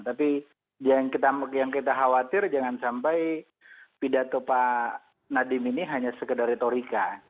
tapi yang kita khawatir jangan sampai pidato pak nadiem ini hanya sekedar retorika